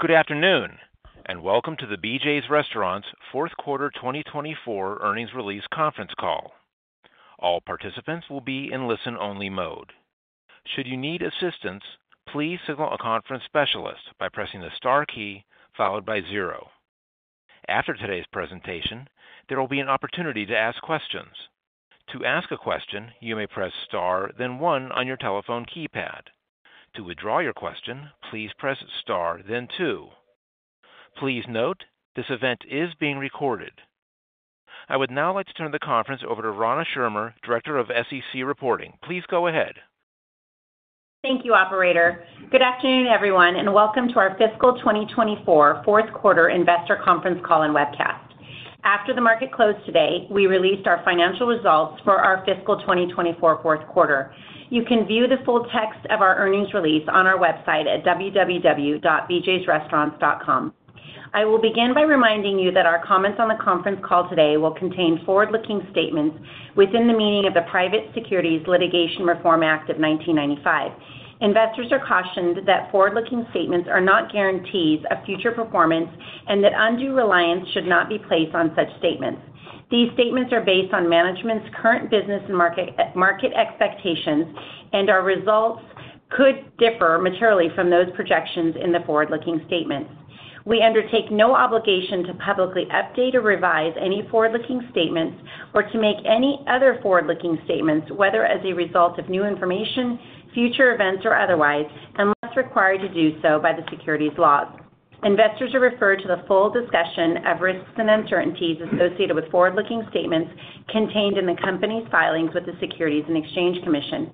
Good afternoon, and welcome to the BJ's Restaurants Q4 2024 earnings release conference call. All participants will be in listen-only mode. Should you need assistance, please signal a conference specialist by pressing the star key followed by zero. After today's presentation, there will be an opportunity to ask questions. To ask a question, you may press star, then one on your telephone keypad. To withdraw your question, please press star, then two. Please note, this event is being recorded. I would now like to turn the conference over to Rana Schirmer, Director of SEC Reporting. Please go ahead. Thank you, Operator. Good afternoon, everyone, and welcome to our Fiscal 2024 Q4 Investor Conference Call and Webcast. After the market closed today, we released our financial results for our Fiscal 2024 Q4. You can view the full text of our earnings release on our website at www.bjsrestaurants.com. I will begin by reminding you that our comments on the conference call today will contain forward-looking statements within the meaning of the Private Securities Litigation Reform Act of 1995. Investors are cautioned that forward-looking statements are not guarantees of future performance and that undue reliance should not be placed on such statements. These statements are based on management's current business and market expectations, and our results could differ materially from those projections in the forward-looking statements. We undertake no obligation to publicly update or revise any forward-looking statements or to make any other forward-looking statements, whether as a result of new information, future events, or otherwise, unless required to do so by the securities laws. Investors are referred to the full discussion of risks and uncertainties associated with forward-looking statements contained in the company's filings with the Securities and Exchange Commission.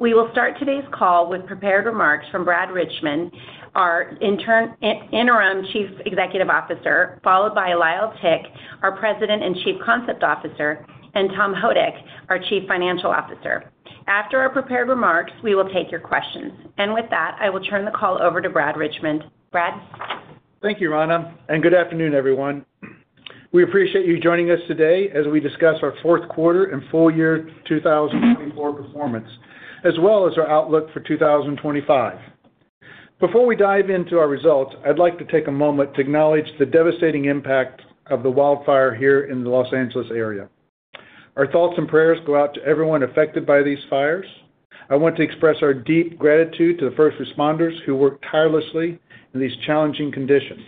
We will start today's call with prepared remarks from Brad Richmond, our interim Chief Executive Officer, followed by Lyle Tick, our President and Chief Concept Officer, and Tom Houdek, our Chief Financial Officer. After our prepared remarks, we will take your questions. With that, I will turn the call over to Brad Richmond. Brad? Thank you, Rana. Good afternoon, everyone. We appreciate you joining us today as we discuss our Q4 and full year 2024 performance, as well as our outlook for 2025. Before we dive into our results, I'd like to take a moment to acknowledge the devastating impact of the wildfire here in the Los Angeles area. Our thoughts and prayers go out to everyone affected by these fires. I want to express our deep gratitude to the first responders who worked tirelessly in these challenging conditions.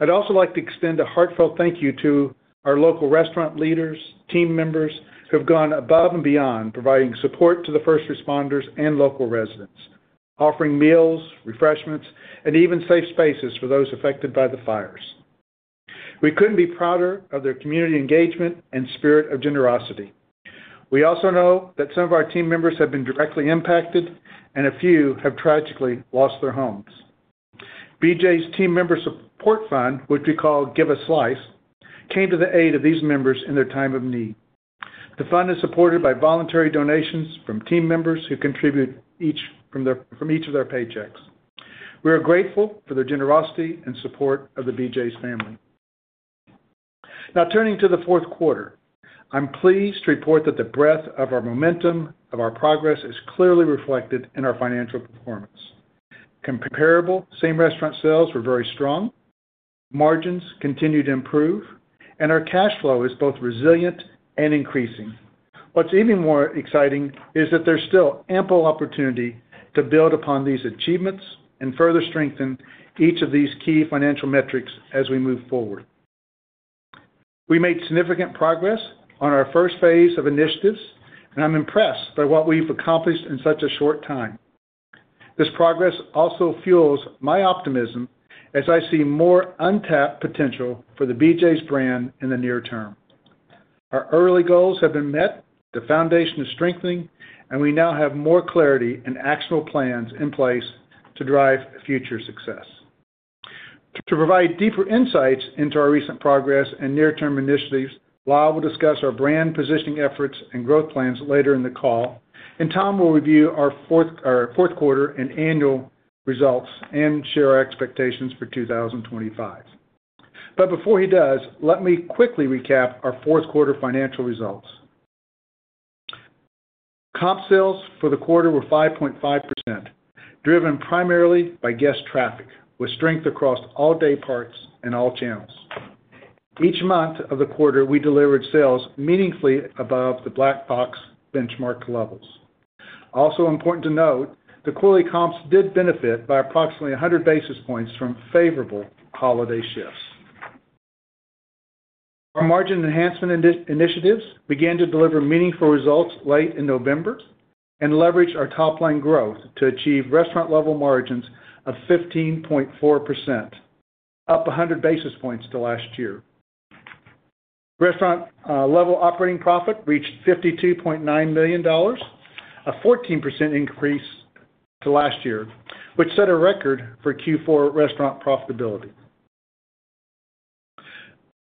I'd also like to extend a heartfelt thank you to our local restaurant leaders, team members who have gone above and beyond providing support to the first responders and local residents, offering meals, refreshments, and even safe spaces for those affected by the fires. We couldn't be prouder of their community engagement and spirit of generosity. We also know that some of our team members have been directly impacted, and a few have tragically lost their homes. BJ's Team Member Support Fund, which we call Give a Slice, came to the aid of these members in their time of need. The fund is supported by voluntary donations from team members who contribute from each of their paychecks. We are grateful for their generosity and support of the BJ's family. Now, turning to Q4, I'm pleased to report that the breadth of our momentum, of our progress, is clearly reflected in our financial performance. Comparable same restaurant sales were very strong, margins continue to improve, and our cash flow is both resilient and increasing. What's even more exciting is that there's still ample opportunity to build upon these achievements and further strengthen each of these key financial metrics as we move forward. We made significant progress on our first phase of initiatives, and I'm impressed by what we've accomplished in such a short time. This progress also fuels my optimism as I see more untapped potential for the BJ's brand in the near term. Our early goals have been met, the foundation is strengthening, and we now have more clarity and actionable plans in place to drive future success. To provide deeper insights into our recent progress and near-term initiatives, Lyle will discuss our brand positioning efforts and growth plans later in the call, and Tom will review our Q4 and annual results and share our expectations for 2025. But before he does, let me quickly recap our Q4 financial results. Comp sales for the quarter were 5.5%, driven primarily by guest traffic, with strength across all day parts and all channels. Each month of the quarter, we delivered sales meaningfully above the Black Box benchmark levels. Also important to note, the quarterly comps did benefit by approximately 100 basis points from favorable holiday shifts. Our margin enhancement initiatives began to deliver meaningful results late in November and leveraged our top-line growth to achieve restaurant-level margins of 15.4%, up 100 basis points to last year. Restaurant-level operating profit reached $52.9 million, a 14% increase to last year, which set a record for Q4 restaurant profitability.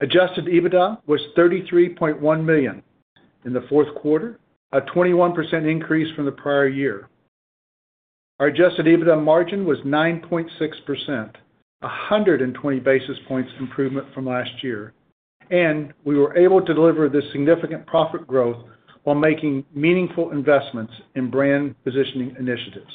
Adjusted EBITDA was $33.1 million in Q4, a 21% increase from the prior year. Our adjusted EBITDA margin was 9.6%, a 120 basis points improvement from last year, and we were able to deliver this significant profit growth while making meaningful investments in brand positioning initiatives.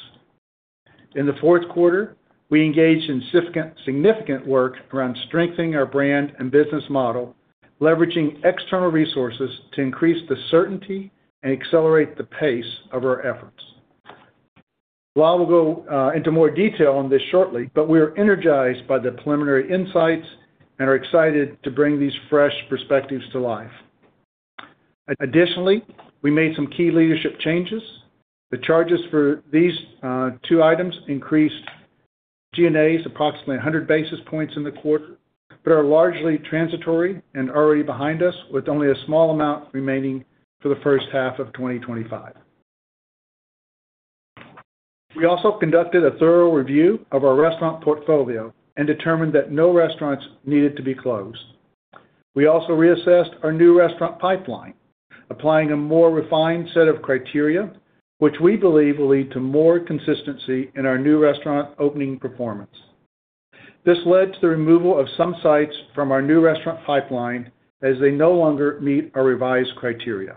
In the Q4, we engaged in significant work around strengthening our brand and business model, leveraging external resources to increase the certainty and accelerate the pace of our efforts. Lyle will go into more detail on this shortly, but we are energized by the preliminary insights and are excited to bring these fresh perspectives to life. Additionally, we made some key leadership changes. The charges for these two items increased G&A approximately 100 basis points in the quarter, but are largely transitory and already behind us, with only a small amount remaining for the first half of 2025. We also conducted a thorough review of our restaurant portfolio and determined that no restaurants needed to be closed. We also reassessed our new restaurant pipeline, applying a more refined set of criteria, which we believe will lead to more consistency in our new restaurant opening performance. This led to the removal of some sites from our new restaurant pipeline as they no longer meet our revised criteria.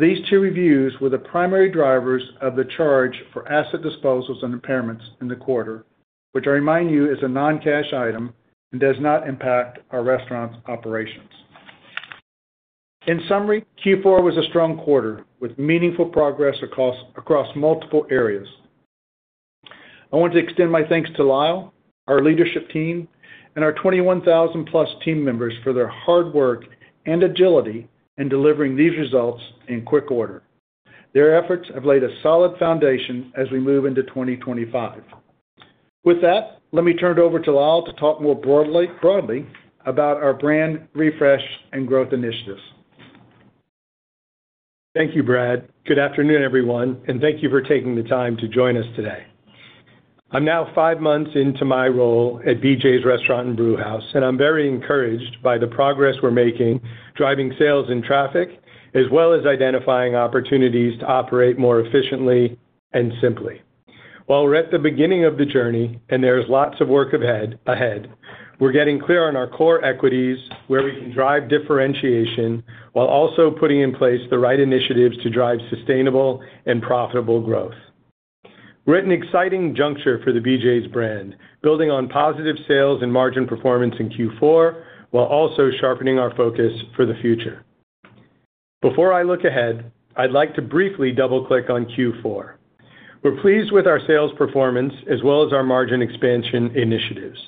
These two reviews were the primary drivers of the charge for asset disposals and impairments in the quarter, which I remind you is a non-cash item and does not impact our restaurant's operations. In summary, Q4 was a strong quarter with meaningful progress across multiple areas. I want to extend my thanks to Lyle, our leadership team, and our 21,000-plus team members for their hard work and agility in delivering these results in quick order. Their efforts have laid a solid foundation as we move into 2025. With that, let me turn it over to Lyle to talk more broadly about our brand refresh and growth initiatives. Thank you, Brad. Good afternoon, everyone, and thank you for taking the time to join us today. I'm now five months into my role at BJ's Restaurant and Brewhouse, and I'm very encouraged by the progress we're making, driving sales and traffic, as well as identifying opportunities to operate more efficiently and simply. While we're at the beginning of the journey and there's lots of work ahead, we're getting clear on our core equities, where we can drive differentiation while also putting in place the right initiatives to drive sustainable and profitable growth. We're at an exciting juncture for the BJ's brand, building on positive sales and margin performance in Q4 while also sharpening our focus for the future. Before I look ahead, I'd like to briefly double-click on Q4. We're pleased with our sales performance as well as our margin expansion initiatives.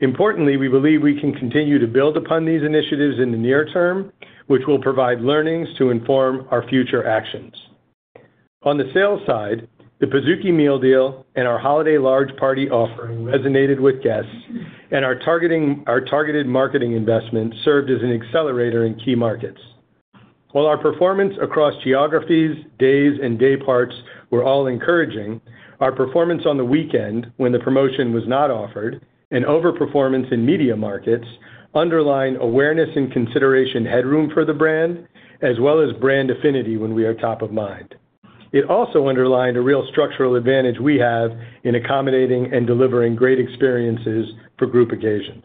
Importantly, we believe we can continue to build upon these initiatives in the near-term, which will provide learnings to inform our future actions. On the sales side, the Pizookie Meal Deal and our holiday large party offering resonated with guests, and our targeted marketing investment served as an accelerator in key markets. While our performance across geographies, days, and day parts were all encouraging, our performance on the weekend when the promotion was not offered and overperformance in media markets underlined awareness and consideration headroom for the brand, as well as brand affinity when we are top of mind. It also underlined a real structural advantage we have in accommodating and delivering great experiences for group occasions.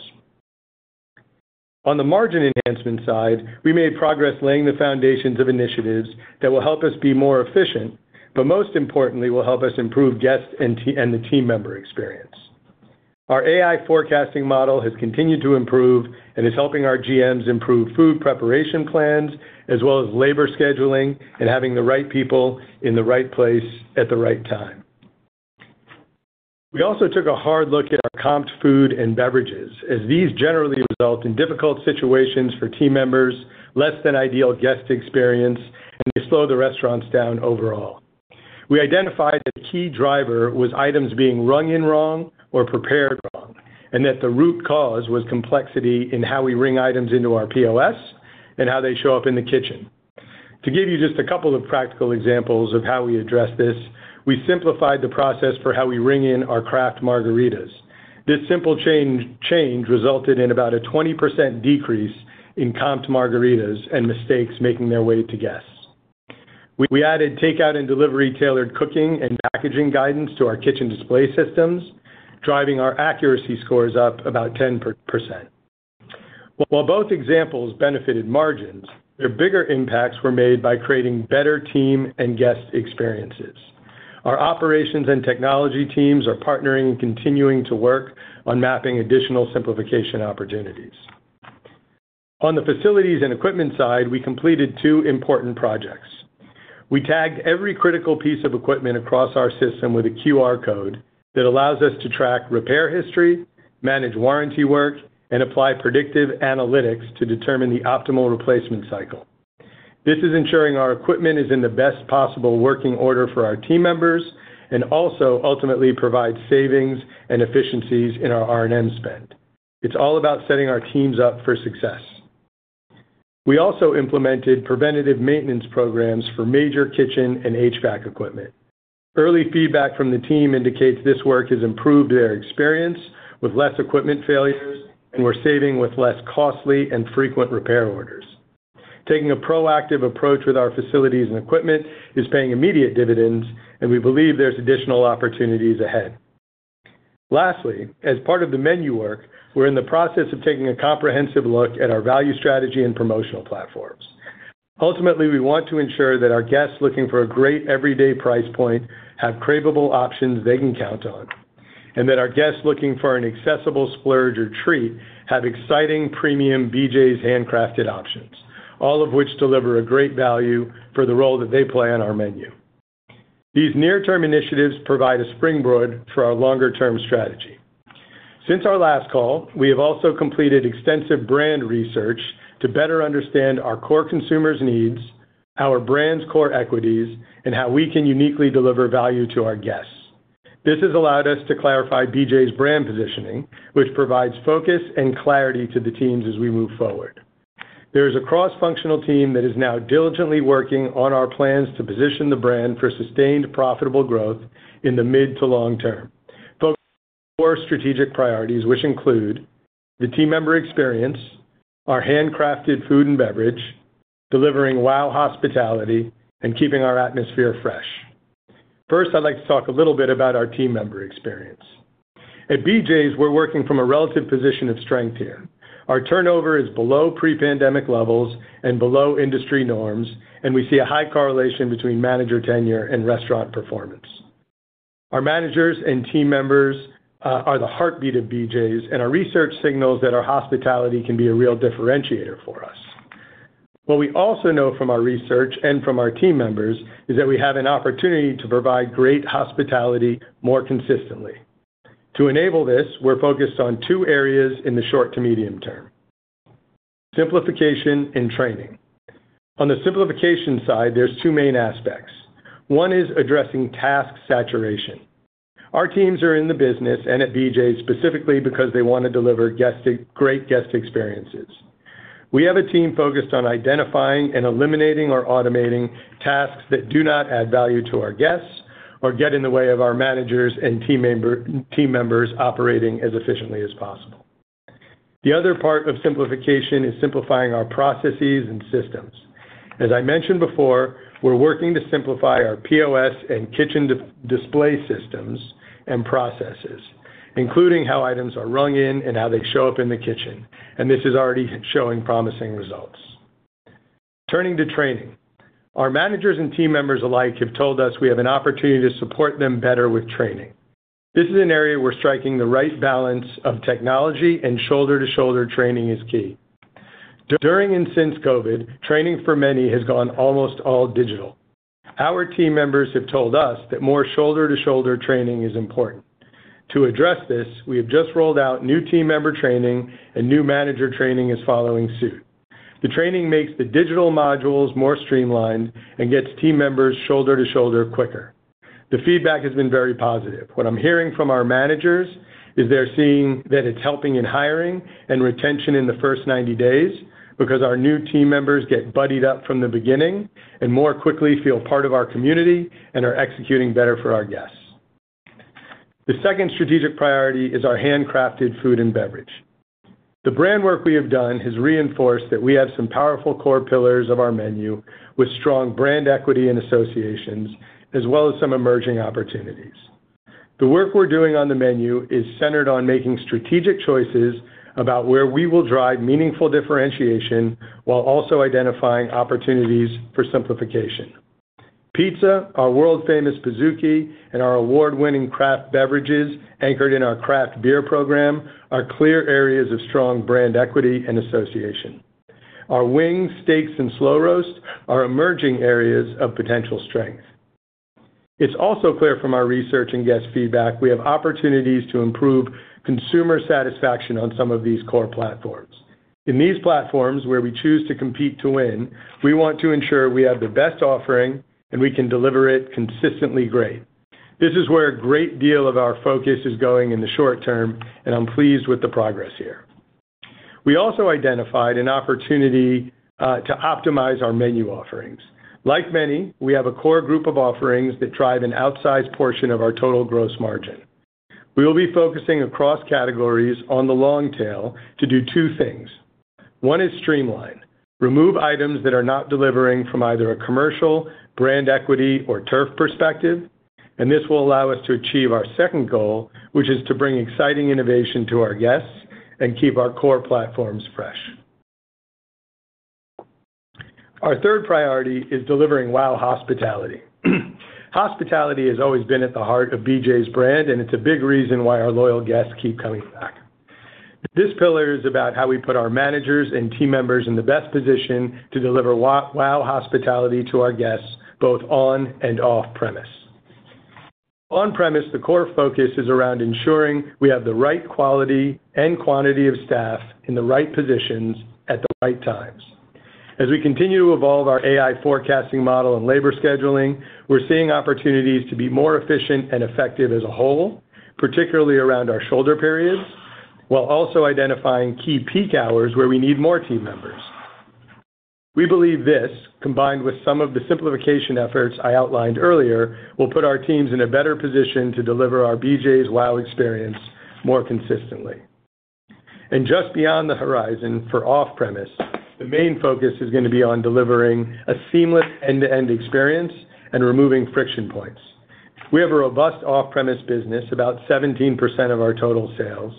On the margin enhancement side, we made progress laying the foundations of initiatives that will help us be more efficient, but most importantly, will help us improve guests and the team member experience. Our AI forecasting model has continued to improve and is helping our GMs improve food preparation plans, as well as labor scheduling and having the right people in the right place at the right time. We also took a hard look at our comped food and beverages, as these generally result in difficult situations for team members, less than ideal guest experience, and they slow the restaurants down overall. We identified a key driver was items being rung in wrong or prepared wrong, and that the root cause was complexity in how we ring items into our POS and how they show up in the kitchen. To give you just a couple of practical examples of how we addressed this, we simplified the process for how we ring in our craft margaritas. This simple change resulted in about a 20% decrease in comped margaritas and mistakes making their way to guests. We added takeout and delivery tailored cooking and packaging guidance to our kitchen display systems, driving our accuracy scores up about 10%. While both examples benefited margins, their bigger impacts were made by creating better team and guest experiences. Our operations and technology teams are partnering and continuing to work on mapping additional simplification opportunities. On the facilities and equipment side, we completed two important projects. We tagged every critical piece of equipment across our system with a QR code that allows us to track repair history, manage warranty work, and apply predictive analytics to determine the optimal replacement cycle. This is ensuring our equipment is in the best possible working order for our team members and also ultimately provides savings and efficiencies in our R&M spend. It's all about setting our teams up for success. We also implemented preventative maintenance programs for major kitchen and HVAC equipment. Early feedback from the team indicates this work has improved their experience with less equipment failures, and we're saving with less costly and frequent repair orders. Taking a proactive approach with our facilities and equipment is paying immediate dividends, and we believe there's additional opportunities ahead. Lastly, as part of the menu work, we're in the process of taking a comprehensive look at our value strategy and promotional platforms. Ultimately, we want to ensure that our guests looking for a great everyday price point have craveable options they can count on, and that our guests looking for an accessible splurge or treat have exciting premium BJ's handcrafted options, all of which deliver a great value for the role that they play on our menu. These near-term initiatives provide a springboard for our longer-term strategy. Since our last call, we have also completed extensive brand research to better understand our core consumers' needs, our brand's core equities, and how we can uniquely deliver value to our guests. This has allowed us to clarify BJ's brand positioning, which provides focus and clarity to the teams as we move forward. There is a cross-functional team that is now diligently working on our plans to position the brand for sustained profitable growth in the mid to long term. Focus on four strategic priorities, which include the team member experience, our handcrafted food and beverage, delivering wow hospitality, and keeping our atmosphere fresh. First, I'd like to talk a little bit about our team member experience. At BJ's, we're working from a relative position of strength here. Our turnover is below pre-pandemic levels and below industry norms, and we see a high correlation between manager tenure and restaurant performance. Our managers and team members are the heartbeat of BJ's, and our research signals that our hospitality can be a real differentiator for us. What we also know from our research and from our team members is that we have an opportunity to provide great hospitality more consistently. To enable this, we're focused on two areas in the short to medium-term. Simplification and training. On the simplification side, there's two main aspects. One is addressing task saturation. Our teams are in the business and at BJ's specifically because they want to deliver great guest experiences. We have a team focused on identifying and eliminating or automating tasks that do not add value to our guests or get in the way of our managers and team members operating as efficiently as possible. The other part of simplification is simplifying our processes and systems. As I mentioned before, we're working to simplify our POS and kitchen display systems and processes, including how items are rung in and how they show up in the kitchen, and this is already showing promising results. Turning to training, our managers and team members alike have told us we have an opportunity to support them better with training. This is an area we're striking the right balance of technology and shoulder-to-shoulder training is key. During and since COVID, training for many has gone almost all digital. Our team members have told us that more shoulder-to-shoulder training is important. To address this, we have just rolled out new team member training, and new manager training is following suit. The training makes the digital modules more streamlined and gets team members shoulder-to-shoulder quicker. The feedback has been very positive. What I'm hearing from our managers is they're seeing that it's helping in hiring and retention in the first 90 days because our new team members get buddied up from the beginning and more quickly feel part of our community and are executing better for our guests. The second strategic priority is our handcrafted food and beverage. The brand work we have done has reinforced that we have some powerful core pillars of our menu with strong brand equity and associations, as well as some emerging opportunities. The work we're doing on the menu is centered on making strategic choices about where we will drive meaningful differentiation while also identifying opportunities for simplification. Pizza, our world-famous Pizookie, and our award-winning craft beverages anchored in our craft beer program are clear areas of strong brand equity and association. Our wings, steaks, and slow roast are emerging areas of potential strength. It's also clear from our research and guest feedback we have opportunities to improve consumer satisfaction on some of these core platforms. In these platforms, where we choose to compete to win, we want to ensure we have the best offering and we can deliver it consistently great. This is where a great deal of our focus is going in the short-term, and I'm pleased with the progress here. We also identified an opportunity to optimize our menu offerings. Like many, we have a core group of offerings that drive an outsized portion of our total gross margin. We will be focusing across categories on the long tail to do two things. One is streamline, remove items that are not delivering from either a commercial, brand equity, or turf perspective, and this will allow us to achieve our second goal, which is to bring exciting innovation to our guests and keep our core platforms fresh. Our third priority is delivering wow hospitality. Hospitality has always been at the heart of BJ's brand, and it's a big reason why our loyal guests keep coming back. This pillar is about how we put our managers and team members in the best position to deliver wow hospitality to our guests both on and off-premise. On-premise, the core focus is around ensuring we have the right quality and quantity of staff in the right positions at the right times. As we continue to evolve our AI forecasting model and labor scheduling, we're seeing opportunities to be more efficient and effective as a whole, particularly around our shoulder periods, while also identifying key peak hours where we need more team members. We believe this, combined with some of the simplification efforts I outlined earlier, will put our teams in a better position to deliver our BJ's wow experience more consistently and just beyond the horizon for off-premise, the main focus is going to be on delivering a seamless end-to-end experience and removing friction points. We have a robust off-premise business, about 17% of our total sales,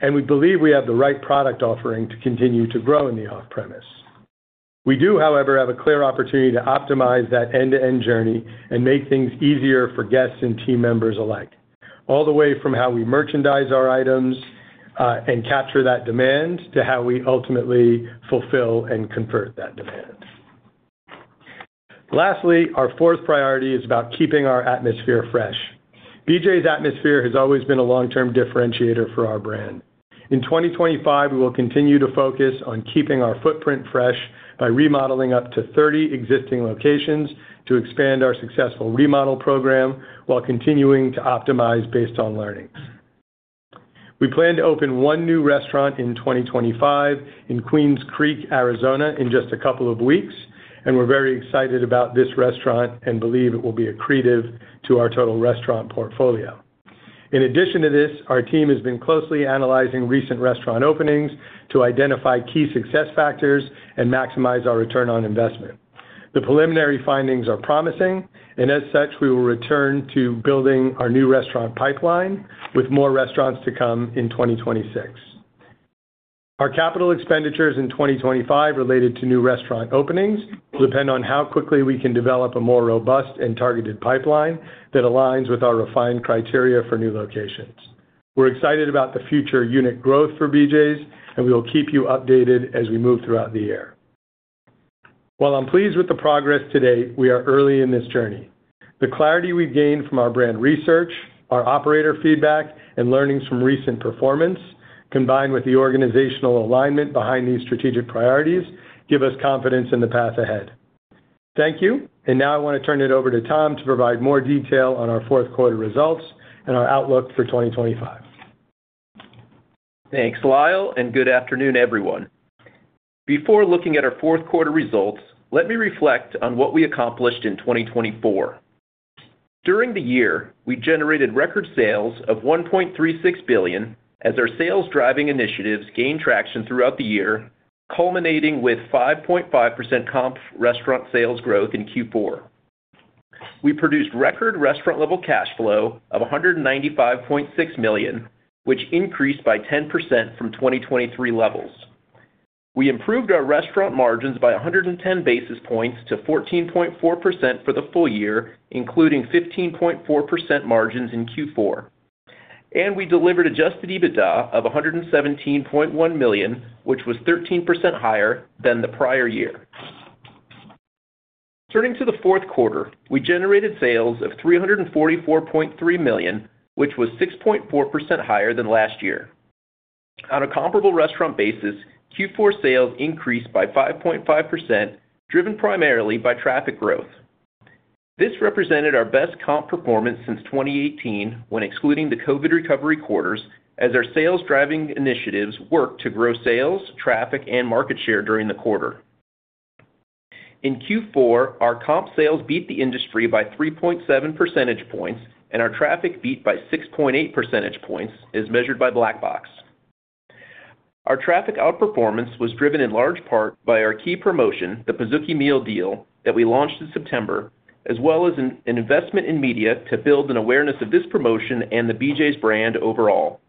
and we believe we have the right product offering to continue to grow in the off-premise. We do, however, have a clear opportunity to optimize that end-to-end journey and make things easier for guests and team members alike, all the way from how we merchandise our items and capture that demand to how we ultimately fulfill and convert that demand. Lastly, our fourth priority is about keeping our atmosphere fresh. BJ's atmosphere has always been a long-term differentiator for our brand. In 2025, we will continue to focus on keeping our footprint fresh by remodeling up to 30 existing locations to expand our successful remodel program while continuing to optimize based on learnings. We plan to open one new restaurant in 2025 in Queen Creek, Arizona, in just a couple of weeks, and we're very excited about this restaurant and believe it will be accretive to our total restaurant portfolio. In addition to this, our team has been closely analyzing recent restaurant openings to identify key success factors and maximize our return on investment. The preliminary findings are promising, and as such, we will return to building our new restaurant pipeline with more restaurants to come in 2026. Our capital expenditures in 2025 related to new restaurant opening depend on how quickly we can develop a more robust and targeted pipeline that aligns with our refined criteria for new locations. We're excited about the future unit growth for BJ's, and we will keep you updated as we move throughout the year. While I'm pleased with the progress today, we are early in this journey. The clarity we've gained from our brand research, our operator feedback, and learnings from recent performance, combined with the organizational alignment behind these strategic priorities, give us confidence in the path ahead. Thank you, and now I want to turn it over to Tom to provide more detail on our Q4 results and our outlook for 2025. Thanks, Lyle, and good afternoon, everyone. Before looking at our Q4 results, let me reflect on what we accomplished in 2024. During the year, we generated record sales of $1.36 billion as our sales driving initiatives gained traction throughout the year, culminating with 5.5% comp restaurant sales growth in Q4. We produced record restaurant-level cash flow of $195.6 million, which increased by 10% from 2023 levels. We improved our restaurant margins by 110 basis points to 14.4% for the full year, including 15.4% margins in Q4, and we delivered adjusted EBITDA of $117.1 million, which was 13% higher than the prior year. Turning to Q4, we generated sales of $344.3 million, which was 6.4% higher than last year. On a comparable restaurant basis, Q4 sales increased by 5.5%, driven primarily by traffic growth. This represented our best comp performance since 2018 when excluding the COVID recovery quarters, as our sales driving initiatives worked to grow sales, traffic, and market share during the quarter. In Q4, our comp sales beat the industry by 3.7 percentage points, and our traffic beat by 6.8 percentage points, as measured by Black Box. Our traffic outperformance was driven in large part by our key promotion, the Pizookie Meal Deal, that we launched in September, as well as an investment in media to build an awareness of this promotion and the BJ's brand overall.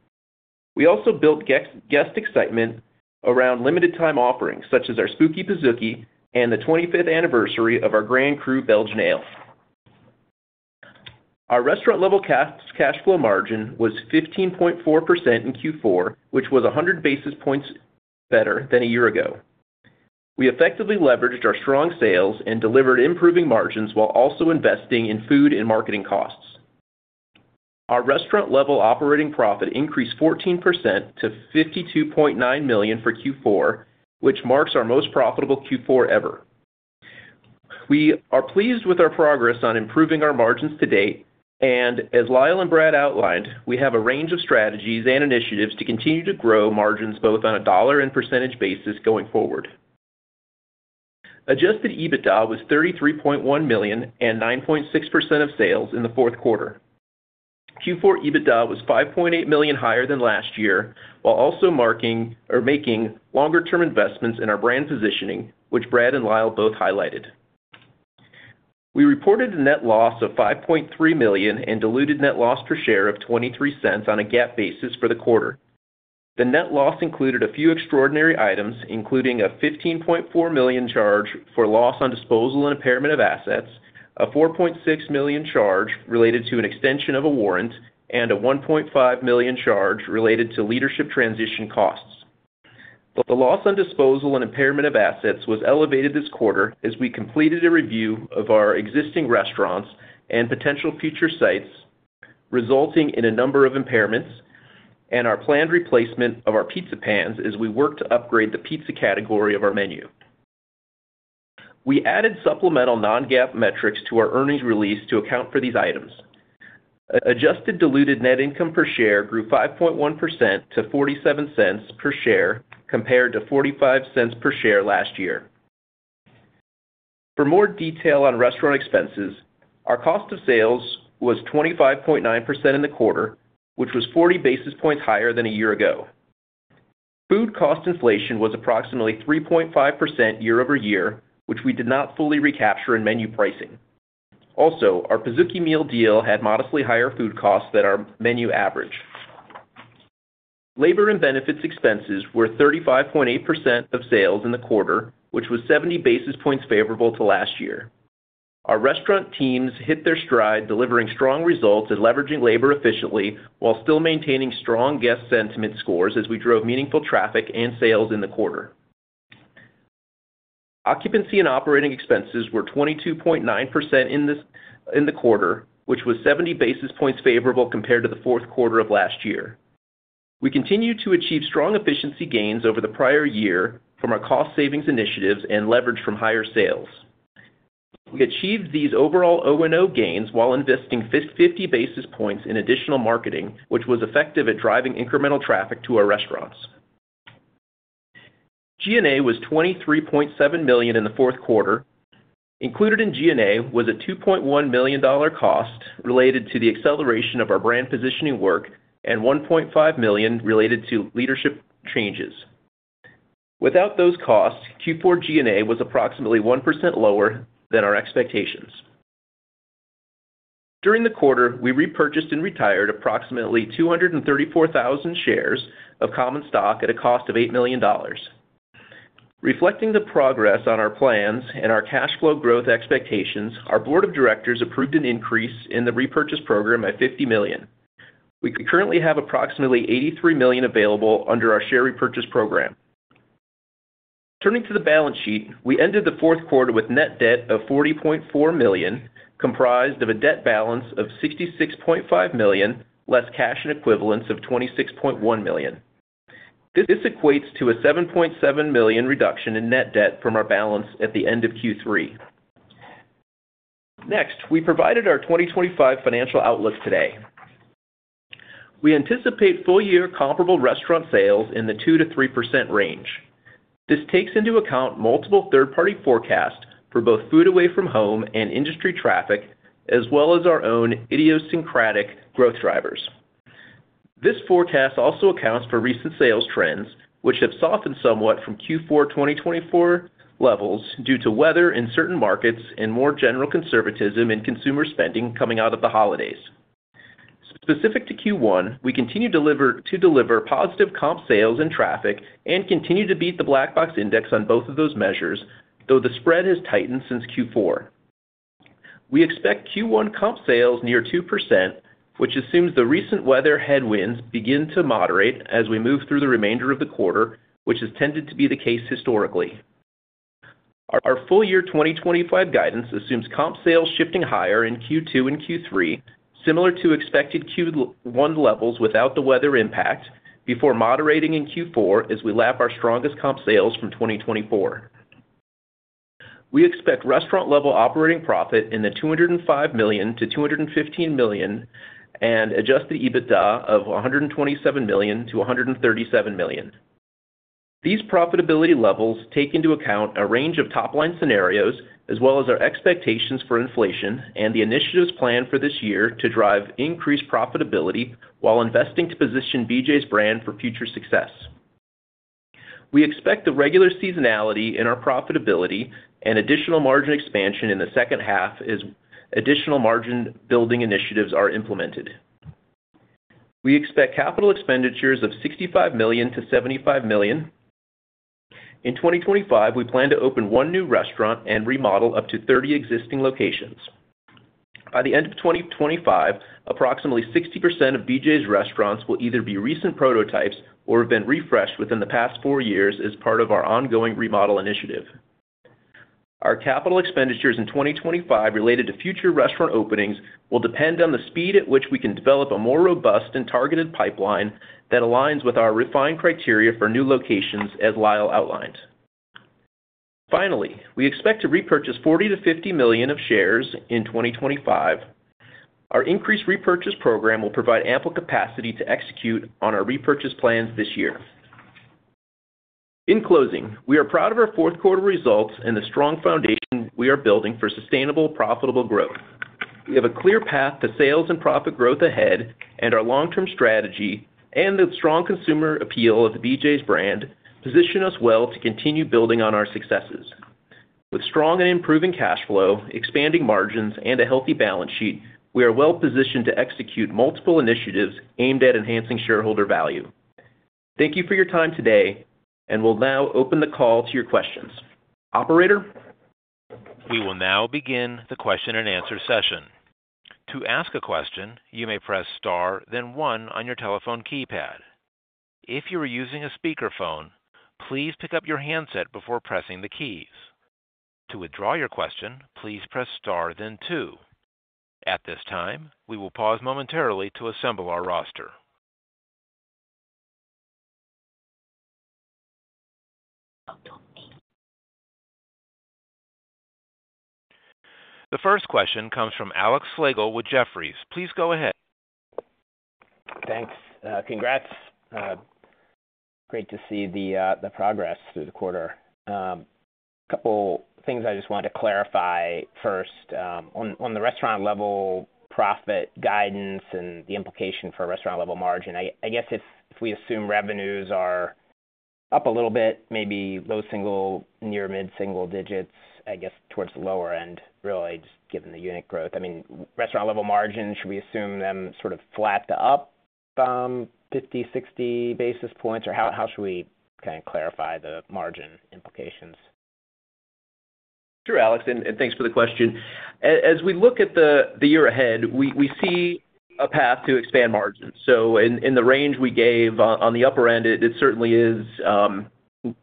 We also built guest excitement around limited-time offerings such as our Spooky Pizookie and the 25th anniversary of our Grand Cru Belgian Ale. Our restaurant-level cash flow margin was 15.4% in Q4, which was 100 basis points better than a year ago. We effectively leveraged our strong sales and delivered improving margins while also investing in food and marketing costs. Our restaurant-level operating profit increased 14% to $52.9 million for Q4, which marks our most profitable Q4 ever. We are pleased with our progress on improving our margins to date, and as Lyle and Brad outlined, we have a range of strategies and initiatives to continue to grow margins both on a dollar and percentage basis going forward. Adjusted EBITDA was $33.1 million and 9.6% of sales in Q4. Q4 EBITDA was $5.8 million higher than last year, while also making longer-term investments in our brand positioning, which Brad and Lyle both highlighted. We reported a net loss of $5.3 million and diluted net loss per share of $0.23 on a GAAP basis for the quarter. The net loss included a few extraordinary items, including a $15.4 million charge for loss on disposal and impairment of assets, a $4.6 million charge related to an extension of a warrant, and a $1.5 million charge related to leadership transition costs. The loss on disposal and impairment of assets was elevated this quarter as we completed a review of our existing restaurants and potential future sites, resulting in a number of impairments, and our planned replacement of our pizza pans as we worked to upgrade the pizza category of our menu. We added supplemental non-GAAP metrics to our earnings release to account for these items. Adjusted diluted net income per share grew 5.1% to $0.47 per share, compared to $0.45 per share last year. For more detail on restaurant expenses, our cost of sales was 25.9% in the quarter, which was 40 basis points higher than a year ago. Food cost inflation was approximately 3.5% year-over-year, which we did not fully recapture in menu pricing. Also, our Pizookie Meal Deal had modestly higher food costs than our menu average. Labor and benefits expenses were 35.8% of sales in the quarter, which was 70 basis points favorable to last year. Our restaurant teams hit their stride, delivering strong results and leveraging labor efficiently while still maintaining strong guest sentiment scores as we drove meaningful traffic and sales in the quarter. Occupancy and operating expenses were 22.9% in the quarter, which was 70 basis points favorable compared to Q4 of last year. We continued to achieve strong efficiency gains over the prior year from our cost savings initiatives and leverage from higher sales. We achieved these overall O&O gains while investing 50 basis points in additional marketing, which was effective at driving incremental traffic to our restaurants. G&A was $23.7 million in Q4. Included in G&A was a $2.1 million cost related to the acceleration of our brand positioning work and $1.5 million related to leadership changes. Without those costs, Q4 G&A was approximately 1% lower than our expectations. During the quarter, we repurchased and retired approximately 234,000 shares of common stock at a cost of $8 million. Reflecting the progress on our plans and our cash flow growth expectations, our board of directors approved an increase in the repurchase program by $50 million. We currently have approximately $83 million available under our share repurchase program. Turning to the balance sheet, we ended Q4 with net debt of $40.4 million, comprised of a debt balance of $66.5 million, less cash and equivalents of $26.1 million. This equates to a $7.7 million reduction in net debt from our balance at the end of Q3. Next, we provided our 2025 financial outlook today. We anticipate full-year comparable restaurant sales in the 2% to 3% range. This takes into account multiple third-party forecasts for both food away from home and industry traffic, as well as our own idiosyncratic growth drivers. This forecast also accounts for recent sales trends, which have softened somewhat from Q4 2024 levels due to weather in certain markets and more general conservatism in consumer spending coming out of the holidays. Specific to Q1, we continue to deliver positive comp sales and traffic and continue to beat the Black Box Index on both of those measures, though the spread has tightened since Q4. We expect Q1 comp sales near 2%, which assumes the recent weather headwinds begin to moderate as we move through the remainder of the quarter, which has tended to be the case historically. Our full-year 2025 guidance assumes comp sales shifting higher in Q2 and Q3, similar to expected Q1 levels without the weather impact, before moderating in Q4 as we lap our strongest comp sales from 2024. We expect restaurant-level operating profit in the $205 to 215 million and adjusted EBITDA of $127 to 137 million. These profitability levels take into account a range of top-line scenarios, as well as our expectations for inflation and the initiatives planned for this year to drive increased profitability while investing to position BJ's brand for future success. We expect the regular seasonality in our profitability and additional margin expansion in the second half as additional margin building initiatives are implemented. We expect capital expenditures of $65 to 75 million. In 2025, we plan to open one new restaurant and remodel up to 30 existing locations. By the end of 2025, approximately 60% of BJ's restaurants will either be recent prototypes or have been refreshed within the past four years as part of our ongoing remodel initiative. Our capital expenditures in 2025 related to future restaurant openings will depend on the speed at which we can develop a more robust and targeted pipeline that aligns with our refined criteria for new locations, as Lyle outlined. Finally, we expect to repurchase $40 to 50 million of shares in 2025. Our increased repurchase program will provide ample capacity to execute on our repurchase plans this year. In closing, we are proud of our Q4 results and the strong foundation we are building for sustainable, profitable growth. We have a clear path to sales and profit growth ahead, and our long-term strategy and the strong consumer appeal of BJ's brand position us well to continue building on our successes. With strong and improving cash flow, expanding margins, and a healthy balance sheet, we are well-positioned to execute multiple initiatives aimed at enhancing shareholder value. Thank you for your time today, and we'll now open the call to your questions. Operator. We will now begin the question and answer session. To ask a question, you may press star, then one on your telephone keypad. If you are using a speakerphone, please pick up your handset before pressing the keys. To withdraw your question, please press star, then two. At this time, we will pause momentarily to assemble our roster. The first question comes from Alex Slagle with Jefferies. Please go ahead. Thanks. Congrats. Great to see the progress through the quarter. A couple of things I just want to clarify first. On the restaurant-level profit guidance and the implication for restaurant-level margin, I guess if we assume revenues are up a little bit, maybe low single, near mid single digits, I guess towards the lower end, really, just given the unit growth. I mean, restaurant-level margins, should we assume them sort of flat to up 50 to 60 basis points, or how should we kind of clarify the margin implications? Sure, Alex, and thanks for the question. As we look at the year ahead, we see a path to expand margins. So in the range we gave on the upper end, it certainly is.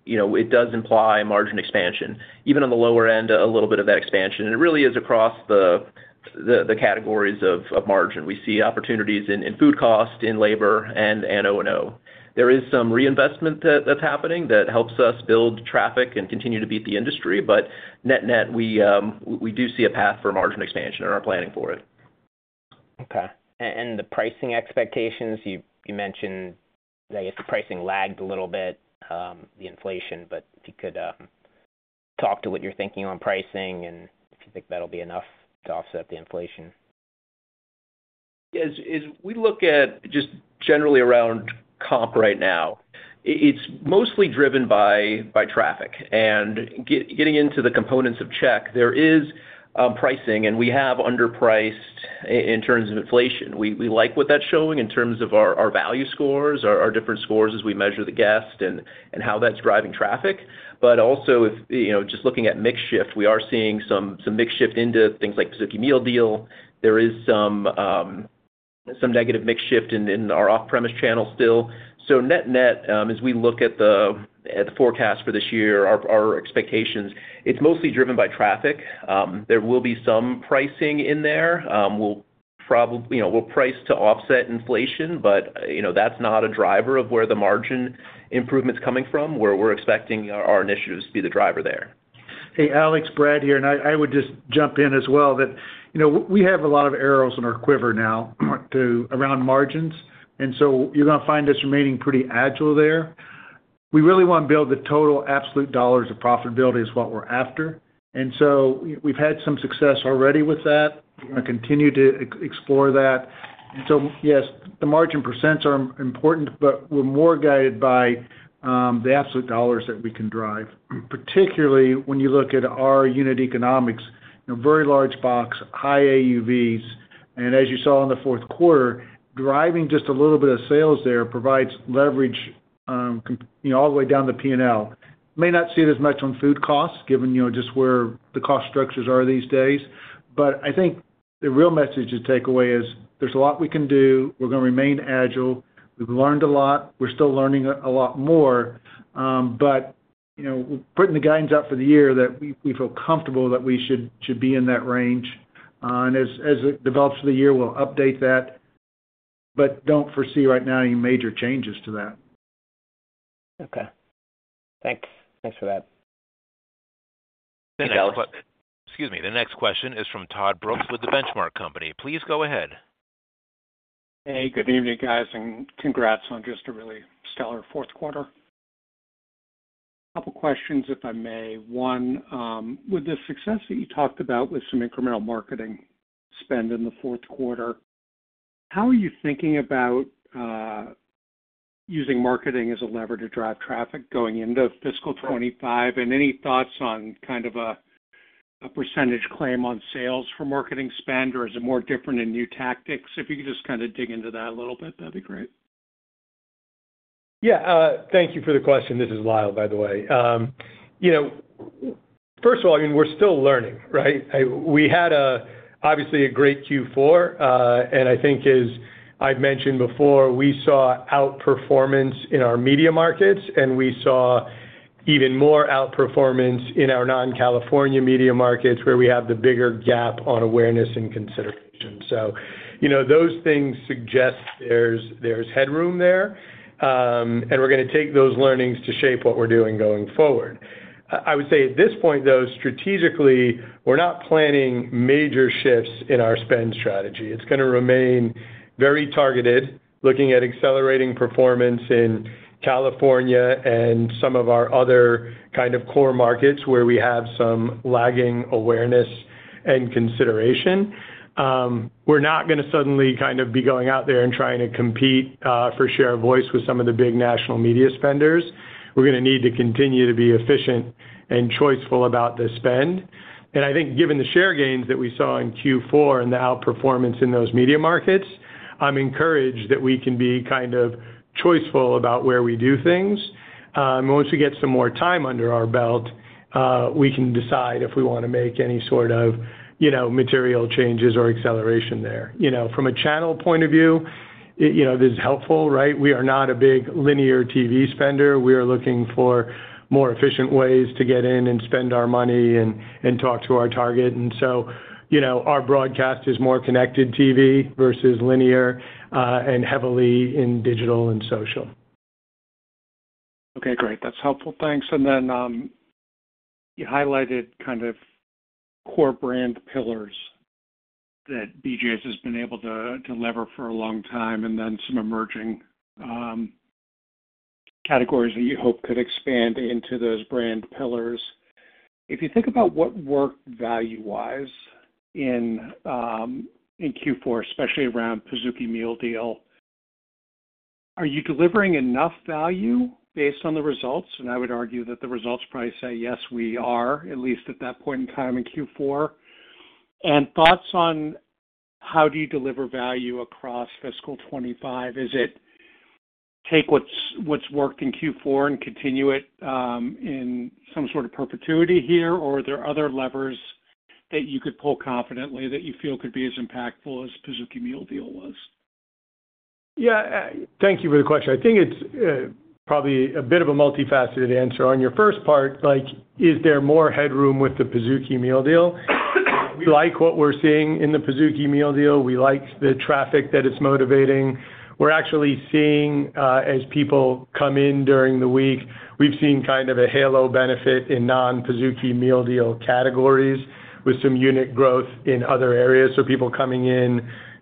It does imply margin expansion. Even on the lower end, a little bit of that expansion. It really is across the categories of margin. We see opportunities in food cost, in labor, and O&O. There is some reinvestment that's happening that helps us build traffic and continue to beat the industry, but net net, we do see a path for margin expansion and are planning for it. Okay. The pricing expectations, you mentioned that the pricing lagged a little bit, the inflation, but if you could talk to what you're thinking on pricing and if you think that'll be enough to offset the inflation? As we look at just generally around comp right now, it's mostly driven by traffic, and getting into the components of check, there is pricing and we have underpriced in terms of inflation. We like what that's showing in terms of our value scores, our different scores as we measure the guest and how that's driving traffic, but also just looking at mixed shift, we are seeing some mixed shift into things like Pizookie Meal Deal. There is some negative mixed shift in our off-premise channel still, so net-net, as we look at the forecast for this year, our expectations, it's mostly driven by traffic. There will be some pricing in there. We'll price to offset inflation, but that's not a driver of where the margin improvement's coming from, where we're expecting our initiatives to be the driver there. Hey, Alex, Brad here, and I would just jump in as well that we have a lot of arrows in our quiver now around margins, and so you're going to find us remaining pretty agile there. We really want to build the total absolute dollars of profitability is what we're after. So we've had some success already with that. We're going to continue to explore that. And so, yes, the margin percents are important, but we're more guided by the absolute dollars that we can drive. Particularly, when you look at our unit economics, very large box, high AUVs, and as you saw in Q4, driving just a little bit of sales there provides leverage all the way down the P&L. May not see it as much on food costs given just where the cost structures are these days, but I think the real message to take away is there's a lot we can do. We're going to remain agile. We've learned a lot. We're still learning a lot more, but we're putting the guidance out for the year that we feel comfortable that we should be in that range, and as it develops for the year, we'll update that, but don't foresee right now any major changes to that. Okay. Thanks. Thanks for that. Thanks, Alex. Excuse me. The next question is from Todd Brooks with The Benchmark Company. Please go ahead. Hey, good evening, guys, and congrats on just a really stellar Q4. A couple of questions, if I may. One, with the success that you talked about with some incremental marketing spend in Q4, how are you thinking about using marketing as a lever to drive traffic going into fiscal 25? Any thoughts on kind of a percentage claim on sales for marketing spend, or is it more different in new tactics? If you could just kind of dig into that a little bit, that'd be great. Yeah. Thank you for the question. This is Lyle, by the way. First of all, I mean, we're still learning, right? We had obviously a great Q4, and I think, as I've mentioned before, we saw outperformance in our media markets, and we saw even more outperformance in our non-California media markets where we have the bigger gap on awareness and consideration. So those things suggest there's headroom there, and we're going to take those learnings to shape what we're doing going forward. I would say at this point, though, strategically, we're not planning major shifts in our spend strategy. It's going to remain very targeted, looking at accelerating performance in California and some of our other kind of core markets where we have some lagging awareness and consideration. We're not going to suddenly kind of be going out there and trying to compete for share of voice with some of the big national media spenders. We're going to need to continue to be efficient and choiceful about the spend, and I think given the share gains that we saw in Q4 and the outperformance in those media markets, I'm encouraged that we can be kind of choiceful about where we do things. Once we get some more time under our belt, we can decide if we want to make any sort of material changes or acceleration there. From a channel point of view, this is helpful, right? We are not a big linear TV spender. We are looking for more efficient ways to get in and spend our money and talk to our target. Our broadcast is more connected TV versus linear and heavily in digital and social. Okay, great. That's helpful. Thanks. And then you highlighted kind of core brand pillars that BJ's has been able to lever for a long time, and then some emerging categories that you hope could expand into those brand pillars. If you think about what worked value-wise in Q4, especially around Pizookie Meal Deal, are you delivering enough value based on the results? I would argue that the results probably say, "Yes, we are," at least at that point in time in Q4. Thoughts on how do you deliver value across fiscal 25? Is it take what's worked in Q4 and continue it in some sort of perpetuity here, or are there other levers that you could pull confidently that you feel could be as impactful as Pizookie Meal Deal was? Yeah. Thank you for the question. I think it's probably a bit of a multifaceted answer. On your first part, is there more headroom with the Pizookie Meal Deal? We like what we're seeing in the Pizookie Meal Deal. We like the traffic that it's motivating. We're actually seeing, as people come in during the week, we've seen kind of a halo benefit in non-Pizookie Meal Deal categories with some unit growth in other areas. So people coming in,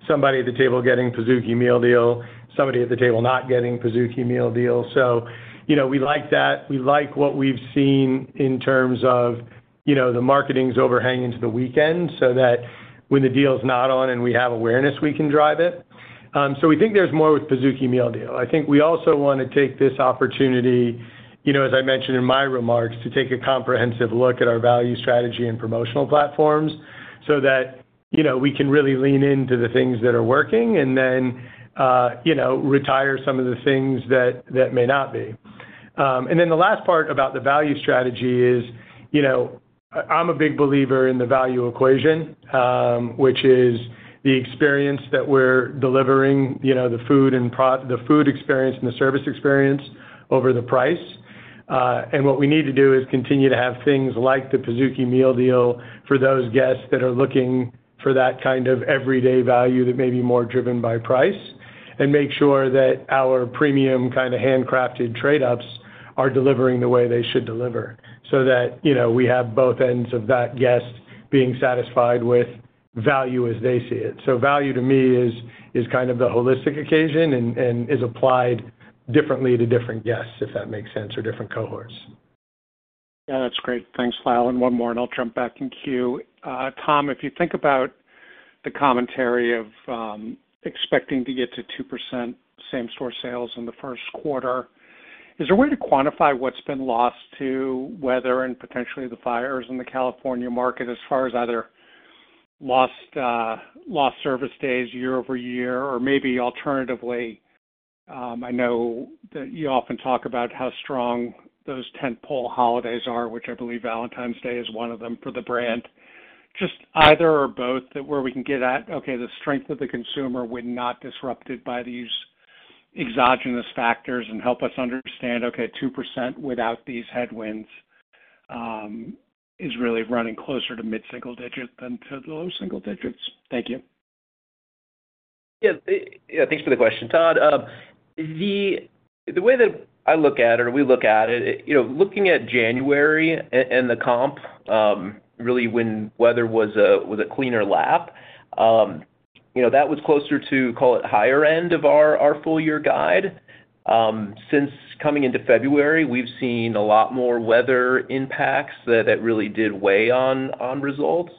somebody at the table getting Pizookie Meal Deal, somebody at the table not getting Pizookie Meal Deal. So we like that. We like what we've seen in terms of the marketing's overhanging into the weekend so that when the deal's not on and we have awareness, we can drive it. So we think there's more with Pizookie Meal Deal. I think we also want to take this opportunity, as I mentioned in my remarks, to take a comprehensive look at our value strategy and promotional platforms so that we can really lean into the things that are working and then retire some of the things that may not be, and then the last part about the value strategy is I'm a big believer in the value equation, which is the experience that we're delivering, the food experience and the service experience over the price. What we need to do is continue to have things like the Pizookie Meal Deal for those guests that are looking for that kind of everyday value that may be more driven by price and make sure that our premium kind of handcrafted trade-offs are delivering the way they should deliver so that we have both ends of that guest being satisfied with value as they see it. Value to me is kind of the holistic occasion and is applied differently to different guests, if that makes sense, or different cohorts. Yeah, that's great. Thanks, Lyle. And one more, and I'll jump back in queue. Tom, if you think about the commentary of expecting to get to 2% same-store sales in Q1, is there a way to quantify what's been lost to weather and potentially the fires in the California market as far as either lost service days year-over-year or maybe alternatively? I know that you often talk about how strong those tentpole holidays are, which I believe Valentine's Day is one of them for the brand. Just either or both that where we can get at, okay, the strength of the consumer when not disrupted by these exogenous factors and help us understand, okay, 2% without these headwinds is really running closer to mid-single digit than to the low single digits. Thank you. Yeah. Thanks for the question, Todd. The way that I look at it, or we look at it, looking at January and the comp, really when weather was a cleaner lap, that was closer to, call it, higher end of our full-year guide. Since coming into February, we've seen a lot more weather impacts that really did weigh on results,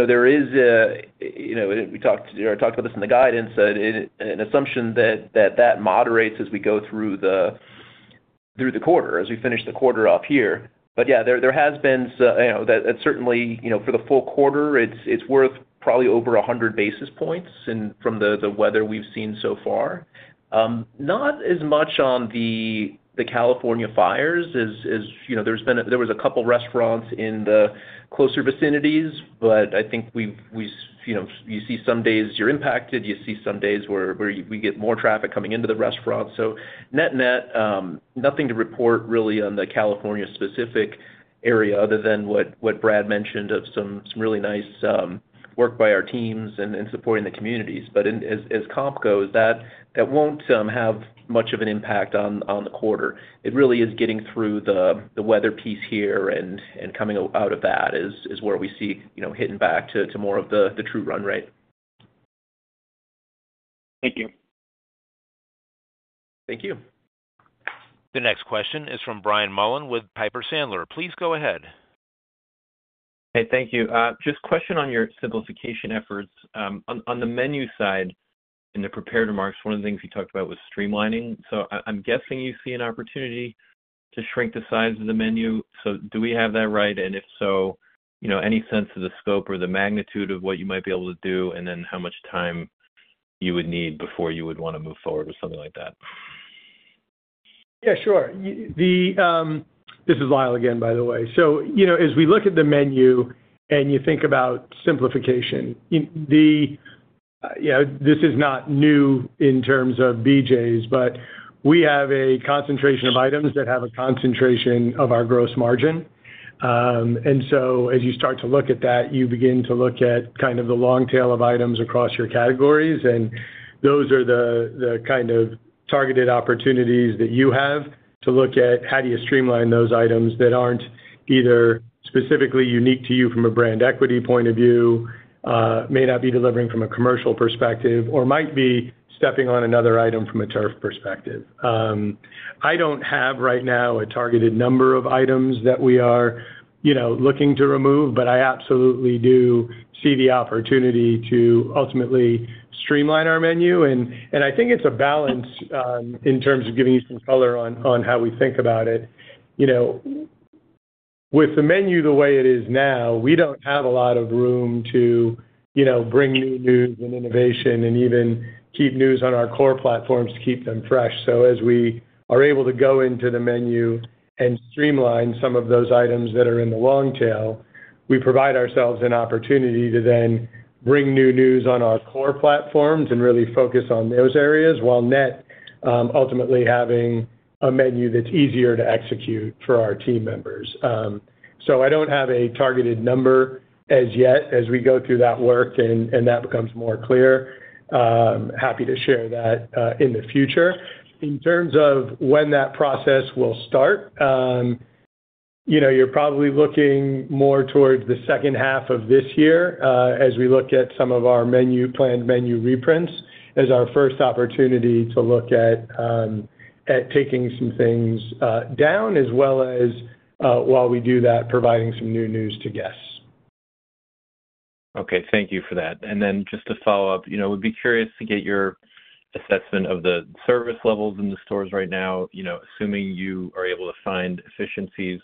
so there is a, we talked about this in the guidance, an assumption that that moderates as we go through the quarter, as we finish the quarter off here, but yeah, there has been that certainly for the full quarter, it's worth probably over 100 basis points from the weather we've seen so far. Not as much on the California fires as there was a couple of restaurants in the closer vicinities, but I think you see some days you're impacted. You see some days where we get more traffic coming into the restaurant. So net net, nothing to report really on the California-specific area other than what Brad mentioned of some really nice work by our teams and supporting the communities. But as comp goes, that won't have much of an impact on the quarter. It really is getting through the weather piece here and coming out of that is where we see hitting back to more of the true run rate. Thank you. Thank you. The next question is from Brian Mullan with Piper Sandler. Please go ahead. Hey, thank you. Just a question on your simplification efforts. On the menu side in the prepared remarks, one of the things you talked about was streamlining. So I'm guessing you see an opportunity to shrink the size of the menu. So do we have that right? If so, any sense of the scope or the magnitude of what you might be able to do and then how much time you would need before you would want to move forward with something like that? Yeah, sure. This is Lyle again, by the way. So as we look at the menu and you think about simplification, this is not new in terms of BJ's, but we have a concentration of items that have a concentration of our gross margin. As you start to look at that, you begin to look at kind of the long tail of items across your categories. Those are the kind of targeted opportunities that you have to look at how do you streamline those items that aren't either specifically unique to you from a brand equity point of view, may not be delivering from a commercial perspective, or might be stepping on another item from a turf perspective. I don't have right now a targeted number of items that we are looking to remove, but I absolutely do see the opportunity to ultimately streamline our menu. I think it's a balance in terms of giving you some color on how we think about it. With the menu the way it is now, we don't have a lot of room to bring new news and innovation and even keep news on our core platforms to keep them fresh. So as we are able to go into the menu and streamline some of those items that are in the long tail, we provide ourselves an opportunity to then bring new news on our core platforms and really focus on those areas while net ultimately having a menu that's easier to execute for our team members. So I don't have a targeted number as yet as we go through that work and that becomes more clear. Happy to share that in the future. In terms of when that process will start, you're probably looking more towards the second half of this year as we look at some of our planned menu reprints as our first opportunity to look at taking some things down as well as, while we do that, providing some new news to guests. Okay. Thank you for that. And then just to follow up, we'd be curious to get your assessment of the service levels in the stores right now, assuming you are able to find efficiencies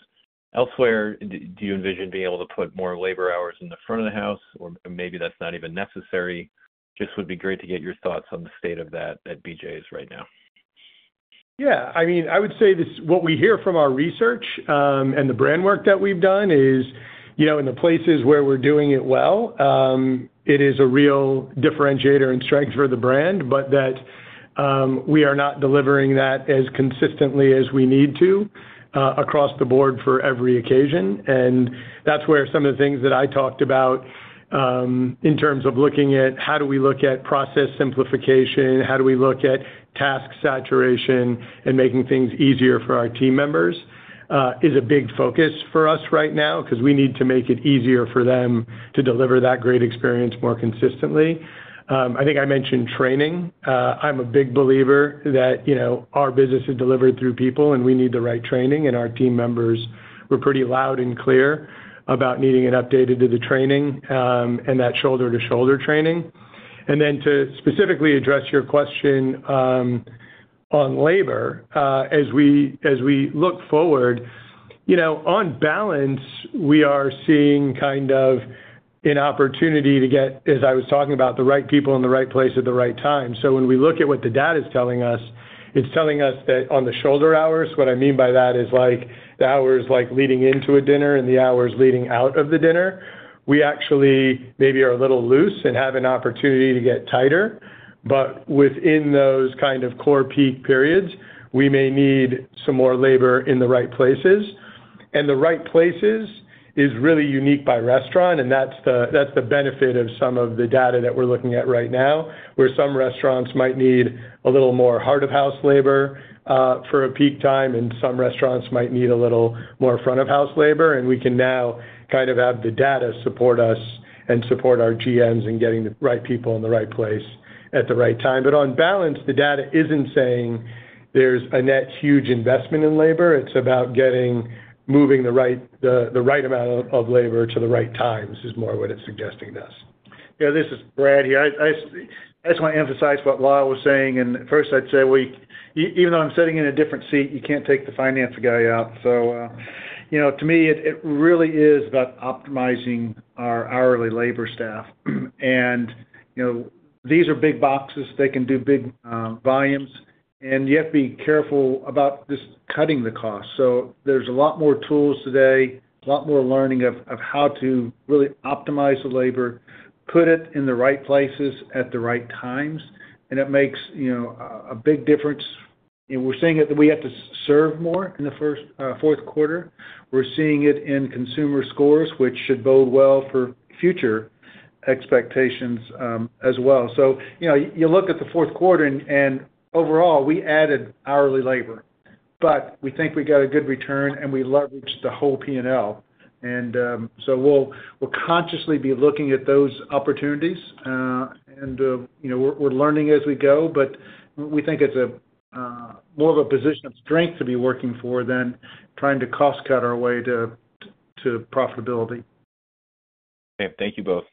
elsewhere. Do you envision being able to put more labor hours in the front of the house, or maybe that's not even necessary? Just would be great to get your thoughts on the state of that at BJ's right now. Yeah. I mean, I would say what we hear from our research and the brand work that we've done is in the places where we're doing it well, it is a real differentiator and strength for the brand, but that we are not delivering that as consistently as we need to across the board for every occasion, and that's where some of the things that I talked about in terms of looking at how do we look at process simplification, how do we look at task saturation, and making things easier for our team members is a big focus for us right now because we need to make it easier for them to deliver that great experience more consistently. I think I mentioned training. I'm a big believer that our business is delivered through people, and we need the right training. Our team members, we're pretty loud and clear about needing an update to the training and that shoulder-to-shoulder training. Then to specifically address your question on labor, as we look forward, on balance, we are seeing kind of an opportunity to get, as I was talking about, the right people in the right place at the right time. When we look at what the data is telling us, it's telling us that on the shoulder hours, what I mean by that is the hours leading into a dinner and the hours leading out of the dinner, we actually maybe are a little loose and have an opportunity to get tighter. Within those kind of core peak periods, we may need some more labor in the right places. And the right places is really unique by restaurant, and that's the benefit of some of the data that we're looking at right now, where some restaurants might need a little more heart-of-house labor for a peak time, and some restaurants might need a little more front-of-house labor. We can now kind of have the data support us and support our GMs in getting the right people in the right place at the right time. But on balance, the data isn't saying there's a net huge investment in labor. It's about moving the right amount of labor to the right times is more what it's suggesting to us. Yeah, this is Brad here. I just want to emphasize what Lyle was saying. First, I'd say, even though I'm sitting in a different seat, you can't take the finance guy out. So to me, it really is about optimizing our hourly labor staff. These are big boxes. They can do big volumes. You have to be careful about just cutting the cost. So there's a lot more tools today, a lot more learning of how to really optimize the labor, put it in the right places at the right times. It makes a big difference. We're seeing it, that we have to serve more in Q4. We're seeing it in consumer scores, which should bode well for future expectations as well. So you look at Q4, and overall, we added hourly labor, but we think we got a good return, and we leveraged the whole P&L. So we'll consciously be looking at those opportunities. We're learning as we go, but we think it's more of a position of strength to be working for than trying to cost-cut our way to profitability. Okay. Thank you both.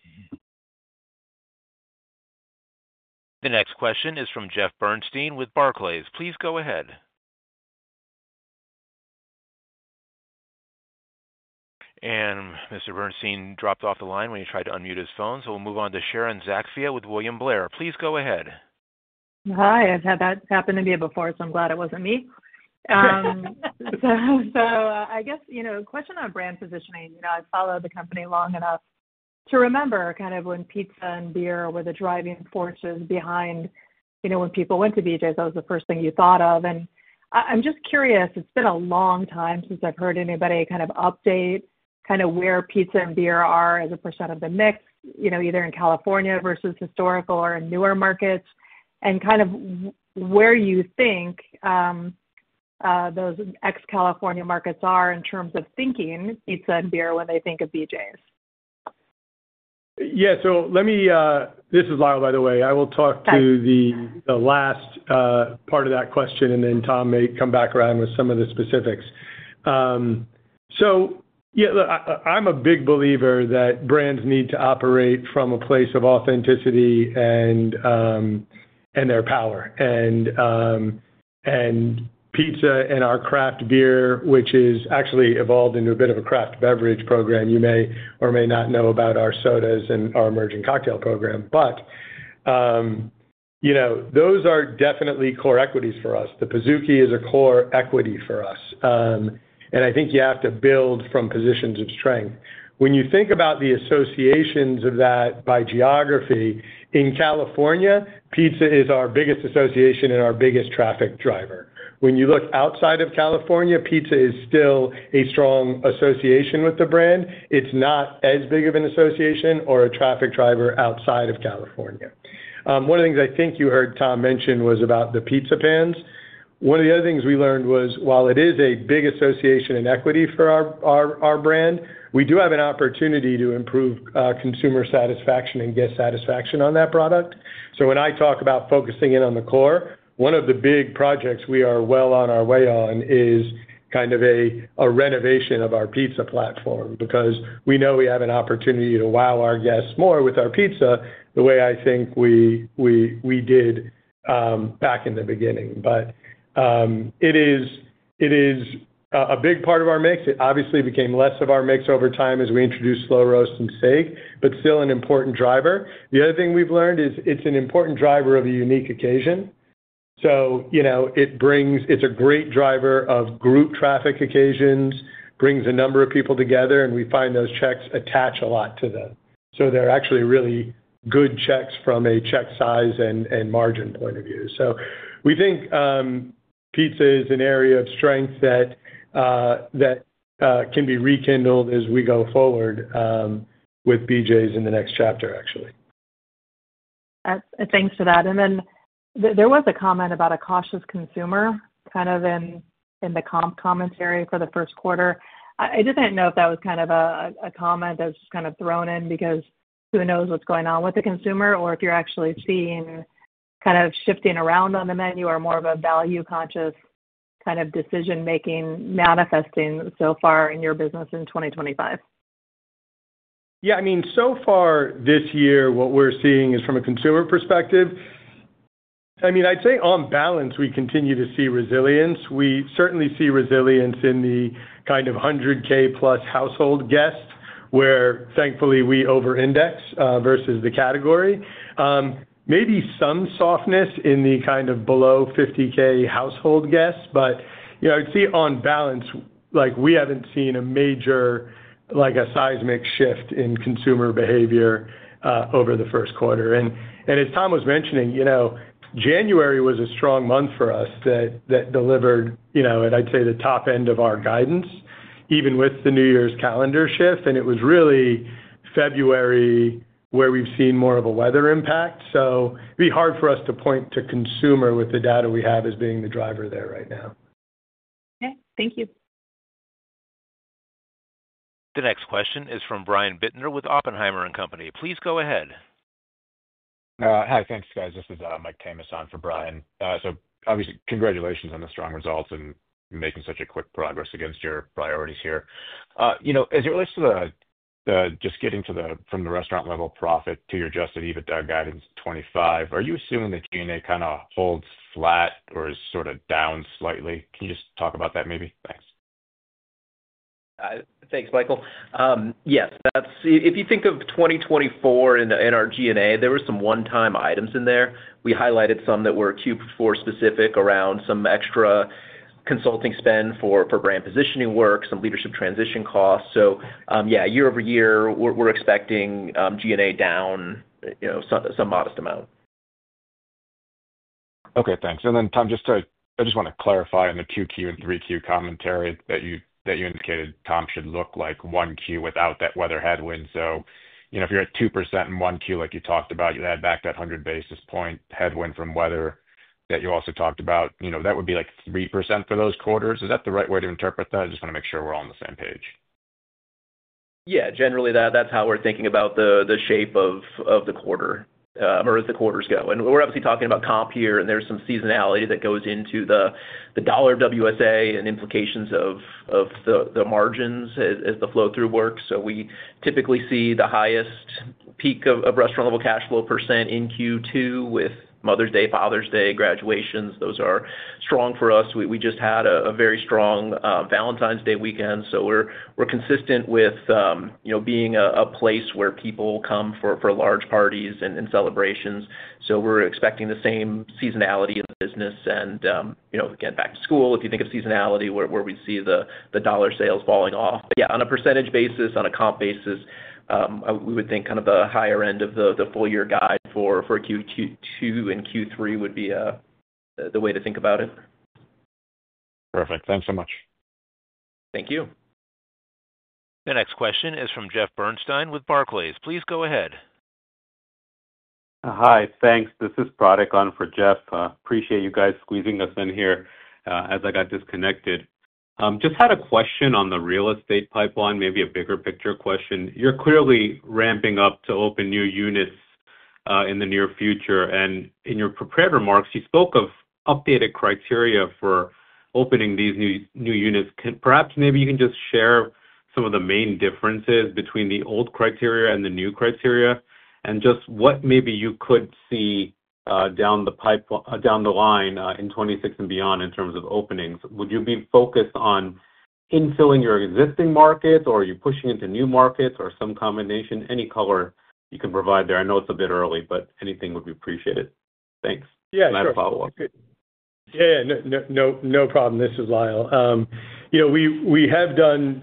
The next question is from Jeff Bernstein with Barclays. Please go ahead, and Mr. Bernstein dropped off the line when he tried to unmute his phone, so we'll move on to Sharon Zackfia with William Blair. Please go ahead. Hi. I've had that happen to me before, so I'm glad it wasn't me, so I guess a question on brand positioning. I've followed the company long enough to remember kind of when pizza and beer were the driving forces behind when people went to BJ's. That was the first thing you thought of, and I'm just curious. It's been a long time since I've heard anybody kind of update kind of where pizza and beer are as a percent of the mix, either in California versus historical or in newer markets, and kind of where you think those ex-California markets are in terms of thinking pizza and beer when they think of BJ's. Yeah. So this is Lyle, by the way. I will talk to the last part of that question, and then Tom may come back around with some of the specifics. So yeah, I'm a big believer that brands need to operate from a place of authenticity and their power. And pizza and our craft beer, which has actually evolved into a bit of a craft beverage program, you may or may not know about our sodas and our emerging cocktail program. But those are definitely core equities for us. The Pizookie is a core equity for us and I think you have to build from positions of strength. When you think about the associations of that by geography, in California, pizza is our biggest association and our biggest traffic driver. When you look outside of California, pizza is still a strong association with the brand. It's not as big of an association or a traffic driver outside of California. One of the things I think you heard Tom mention was about the pizza pans. One of the other things we learned was, while it is a big association and equity for our brand, we do have an opportunity to improve consumer satisfaction and guest satisfaction on that product. So when I talk about focusing in on the core, one of the big projects we are well on our way on is kind of a renovation of our pizza platform because we know we have an opportunity to wow our guests more with our pizza the way I think we did back in the beginning. But it is a big part of our mix. It obviously became less of our mix over time as we introduced slow roast and steaks, but still an important driver. The other thing we've learned is it's an important driver of a unique occasion. So it's a great driver of group traffic occasions, brings a number of people together, and we find those checks attach a lot to them. So they're actually really good checks from a check size and margin point of view. So we think pizza is an area of strength that can be rekindled as we go forward with BJ's in the next chapter, actually. Thanks for that. Then there was a comment about a cautious consumer kind of in the comp commentary for Q1. I didn't know if that was kind of a comment that was just kind of thrown in because who knows what's going on with the consumer or if you're actually seeing kind of shifting around on the menu or more of a value-conscious kind of decision-making manifesting so far in your business in 2025? Yeah. I mean, so far this year, what we're seeing is from a consumer perspective, I mean, I'd say on balance, we continue to see resilience. We certainly see resilience in the kind of 100K-plus household guests where, thankfully, we over-index versus the category. Maybe some softness in the kind of below 50K household guests, but I'd say on balance, we haven't seen a major seismic shift in consumer behavior over Q1. As Tom was mentioning, January was a strong month for us that delivered, I'd say, the top end of our guidance, even with the New Year's calendar shift. It was really February where we've seen more of a weather impact. So it'd be hard for us to point to consumer with the data we have as being the driver there right now. Okay. Thank you. The next question is from Brian Bittner with Oppenheimer & Company. Please go ahead. Hi. Thanks, guys. This is Mike Tamas for Brian. So obviously, congratulations on the strong results and making such a quick progress against your priorities here. As it relates to just getting from the restaurant-level profit to your adjusted EBITDA guidance 25, are you assuming the G&A kind of holds flat or is sort of down slightly? Can you just talk about that maybe? Thanks. Thanks, Michael. Yes. If you think of 2024 in our G&A, there were some one-time items in there. We highlighted some that were Q4 specific around some extra consulting spend for brand positioning work, some leadership transition costs. So yeah, year-over-year, we're expecting G&A down some modest amount. Okay. Thanks. And then Tom, I just want to clarify on the Q2 and 3Q commentary that you indicated Tom should look like 1Q without that weather headwind. So if you're at 2% in 1Q, like you talked about, you add back that 100 basis point headwind from weather that you also talked about, that would be like 3% for those quarters. Is that the right way to interpret that? I just want to make sure we're all on the same page. Yeah. Generally, that's how we're thinking about the shape of the quarter or as the quarters go. We're obviously talking about comp here, and there's some seasonality that goes into the dollar of WSA and implications of the margins as the flow-through works. We typically see the highest peak of restaurant-level cash flow % in Q2 with Mother's Day, Father's Day, and graduations. Those are strong for us. We just had a very strong Valentine's Day weekend. We're consistent with being a place where people come for large parties and celebrations. We're expecting the same seasonality of business. Again, back to school, if you think of seasonality, where we see the dollar sales falling off. But yeah, on a percentage basis, on a comp basis, we would think kind of the higher end of the full-year guide for Q2 and Q3 would be the way to think about it. Perfect. Thanks so much. Thank you. The next question is from Jeff Bernstein with Barclays. Please go ahead. Hi. Thanks. This is Pratik Patel for Jeff. Appreciate you guys squeezing us in here as I got disconnected. Just had a question on the real estate pipeline, maybe a bigger picture question. You're clearly ramping up to open new units in the near future. In your prepared remarks, you spoke of updated criteria for opening these new units. Perhaps maybe you can just share some of the main differences between the old criteria and the new criteria and just what maybe you could see down the line in 2026 and beyond in terms of openings. Would you be focused on infilling your existing markets, or are you pushing into new markets, or some combination? Any color you can provide there. I know it's a bit early, but anything would be appreciated. Thanks. And I have a follow-up. Yeah. No problem. This is Lyle. We have done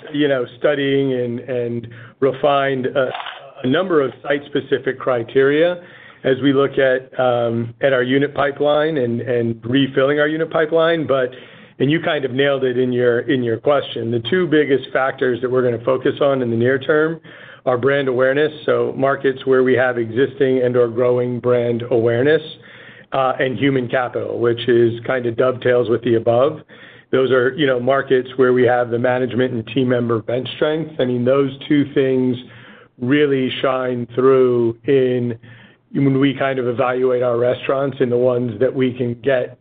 studying and refined a number of site-specific criteria as we look at our unit pipeline and refilling our unit pipeline. You kind of nailed it in your question. The two biggest factors that we're going to focus on in the near term are brand awareness, so markets where we have existing and/or growing brand awareness, and human capital, which kind of dovetails with the above. Those are markets where we have the management and team member bench strength. I mean, those two things really shine through when we kind of evaluate our restaurants and the ones that we can get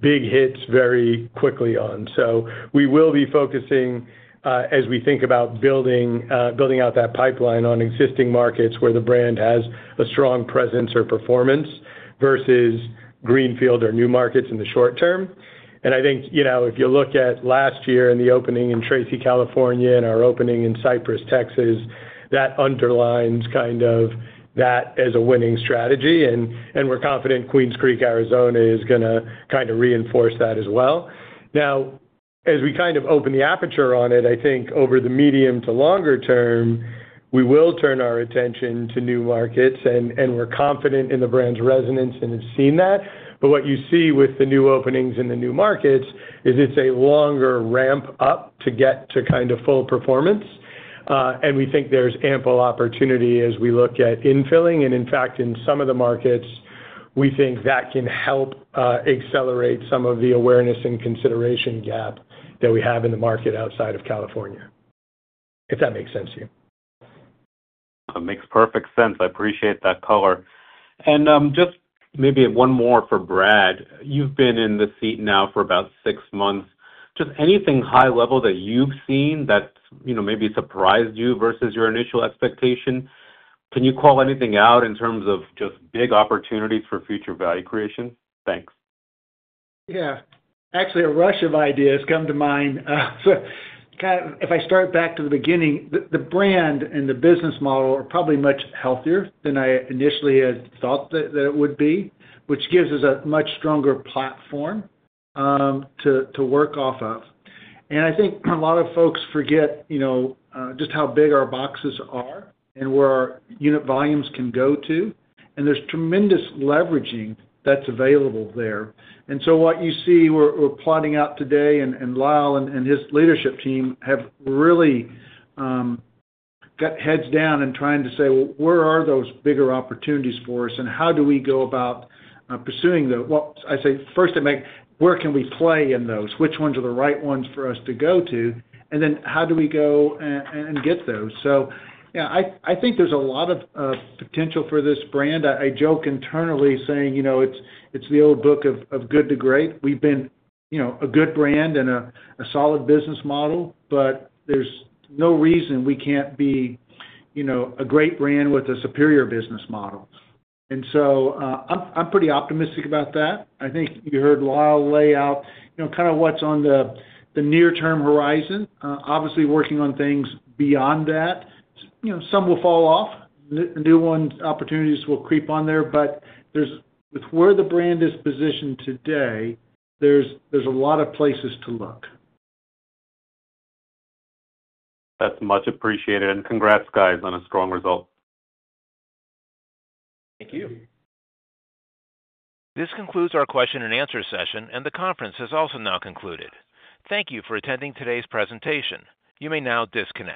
big hits very quickly on. So we will be focusing, as we think about building out that pipeline on existing markets where the brand has a strong presence or performance versus greenfield or new markets in the short term. I think if you look at last year and the opening in Tracy, California, and our opening in Cypress, Texas, that underlines kind of that as a winning strategy. We're confident Queen Creek, Arizona, is going to kind of reinforce that as well. Now, as we kind of open the aperture on it, I think over the medium to longer-term, we will turn our attention to new markets and we're confident in the brand's resonance and have seen that. But what you see with the new openings and the new markets is it's a longer ramp up to get to kind of full performance. And we think there's ample opportunity as we look at infilling. And in fact, in some of the markets, we think that can help accelerate some of the awareness and consideration gap that we have in the market outside of California, if that makes sense to you. That makes perfect sense. I appreciate that color, and just maybe one more for Brad. You've been in the seat now for about six months. Just anything high level that you've seen that maybe surprised you versus your initial expectation? Can you call anything out in terms of just big opportunities for future value creation? Thanks. Yeah. Actually, a rush of ideas come to mind. So if I start back to the beginning, the brand and the business model are probably much healthier than I initially had thought that it would be, which gives us a much stronger platform to work off of. And I think a lot of folks forget just how big our boxes are and where our unit volumes can go to. There's tremendous leveraging that's available there. So what you see we're plotting out today, and Lyle and his leadership team have really got heads down and trying to say, "Well, where are those bigger opportunities for us, and how do we go about pursuing them?" Well, I say first, where can we play in those? Which ones are the right ones for us to go to? Then how do we go and get those? So yeah, I think there's a lot of potential for this brand. I joke internally saying it's the old book of Good to Great. We've been a good brand and a solid business model, but there's no reason we can't be a great brand with a superior business model. Ano I'm pretty optimistic about that. I think you heard Lyle lay out kind of what's on the near-term horizon. Obviously, working on things beyond that, some will fall off. New ones, opportunities will creep on there. But with where the brand is positioned today, there's a lot of places to look. That's much appreciated. And congrats, guys, on a strong result. Thank you. This concludes our question-and-answer session, and the conference has also now concluded. Thank you for attending today's presentation. You may now disconnect.